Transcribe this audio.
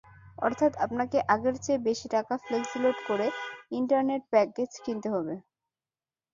অর্থাৎ আপনাকে আগের চেয়ে বেশি টাকা ফ্লেক্সিলোড করে ইন্টারনেট প্যাকেজ কিনতে হবে।